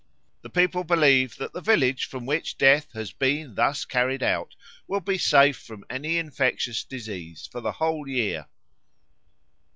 The people believe that the village from which Death has been thus carried out will be safe from any infectious disease for the whole year.